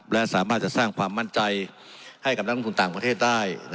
และสามารถจะสร้างความมั่นใจให้กับนักลงทุนต่างประเทศได้